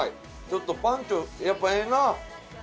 ちょっとパンチョやっぱええな！